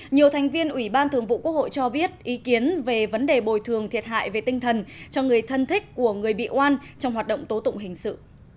nhiều thành viên ủy ban thường vụ quốc hội cho biết ý kiến về vấn đề bồi thường thiệt hại về tinh thần cho người thân thích của người bị oan trong hoạt động tố tụng hình sự